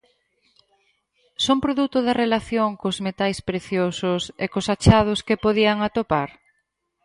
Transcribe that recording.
Son produto da relación cos metais preciosos e cos achados que podían atopar?